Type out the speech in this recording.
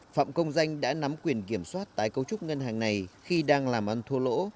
phạm công danh đã nắm quyền kiểm soát tái cấu trúc ngân hàng này khi đang làm ăn thua lỗ